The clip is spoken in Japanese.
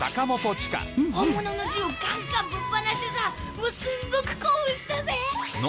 本物の銃をガンガンぶっ放してさもうすんごく興奮したぜ！